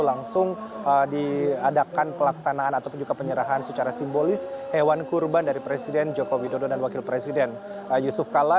langsung diadakan pelaksanaan ataupun juga penyerahan secara simbolis hewan kurban dari presiden joko widodo dan wakil presiden yusuf kala